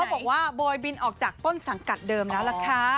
แต่เขาบอกว่าบอยบินออกจากต้นสังกัดเดิมน่ารักฟ้า